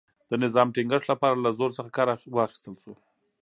د نظم ټینګښت لپاره له زور څخه کار واخیستل شو.